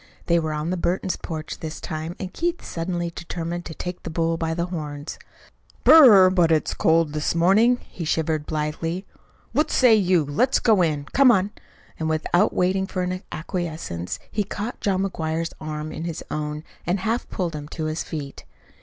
They were on the Burton porch this time, and Keith suddenly determined to take the bull by the horns. "Brrr! but it's cold this morning," he shivered blithely. "What say you? Let's go in. Come on." And without waiting for acquiescence, he caught John McGuire's arm in his own and half pulled him to his feet.